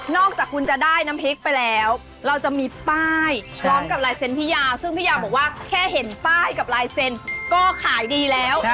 อกจากคุณจะได้น้ำพริกไปแล้วเราจะมีป้ายพร้อมกับลายเซ็นต์พี่ยาซึ่งพี่ยาบอกว่าแค่เห็นป้ายกับลายเซ็นต์ก็ขายดีแล้ว